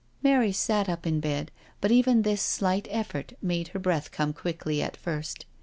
Mary sat up in bed, but even this slight effort made her breath come quickly at first.